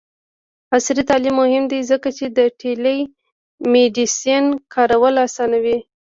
عصري تعلیم مهم دی ځکه چې د ټیلی میډیسین کارول اسانوي.